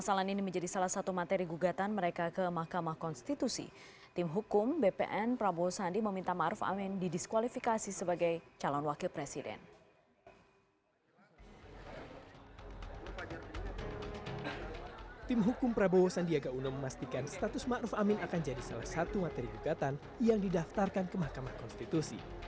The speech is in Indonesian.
status ma'ruf amin akan jadi salah satu materi gugatan yang didaftarkan ke mahkamah konstitusi